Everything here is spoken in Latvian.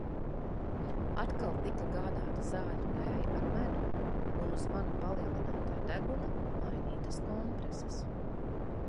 Atkal tika gādāta zāļu tēja ar medu un uz mana palielinātā deguna mainītas kompreses.